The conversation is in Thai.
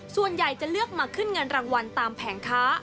ส่วนใหญ่จะเลือกมาขึ้นเงินรางวัลตามแผงค้า